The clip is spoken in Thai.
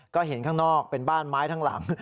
ก็เห็นข้างนอกเป็นบ้านไม้ทั้งหลัง